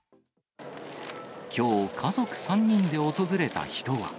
きょう、家族３人で訪れた人は。